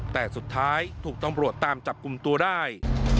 แต่สุดท้ายถูกตำรวจตามจับกลุ่มตัวได้